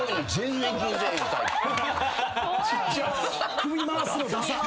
首回すのダサっ！